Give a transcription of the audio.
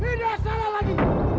tidak salah lagi